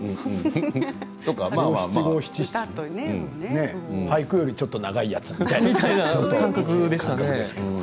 五七五七七俳句より、ちょっと長いやつみたいな感覚ね。